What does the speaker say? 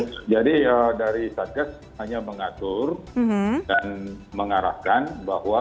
ya jadi dari satgas hanya mengatur dan mengarahkan bahwa